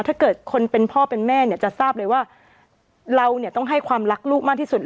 ถ้าเกิดคนเป็นพ่อเป็นแม่เนี่ยจะทราบเลยว่าเราเนี่ยต้องให้ความรักลูกมากที่สุด